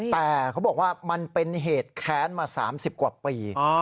แต่เขาบอกว่ามันเป็นเหตุแค้นมา๓๐กว่าปี